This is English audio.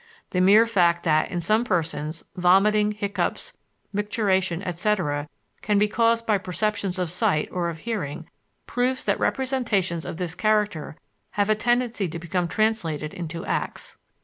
The mere fact that, in some persons, vomiting, hiccoughs, micturition, etc., can be caused by perceptions of sight or of hearing proves that representations of this character have a tendency to become translated into acts.